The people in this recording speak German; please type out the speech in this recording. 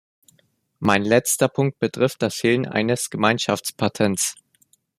Mein letzter Punkt betrifft das Fehlen eines Gemeinschaftspatents.